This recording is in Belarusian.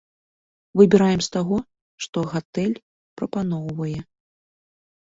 Выбіраем з таго, што гатэль прапаноўвае.